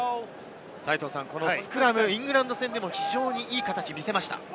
このスクラム、イングランド戦でも非常にいい形を見せました。